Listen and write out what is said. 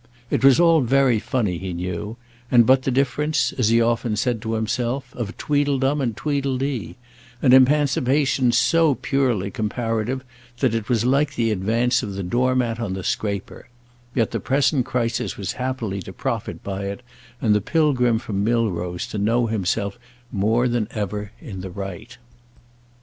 It was all very funny he knew, and but the difference, as he often said to himself, of tweedledum and tweedledee—an emancipation so purely comparative that it was like the advance of the door mat on the scraper; yet the present crisis was happily to profit by it and the pilgrim from Milrose to know himself more than ever in the right.